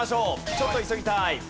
ちょっと急ぎたい。